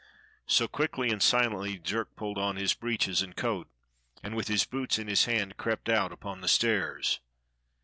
So quickly and silently Jerk pulled on his breeches and coat, and with his boots in his hand crept out upon the stairs.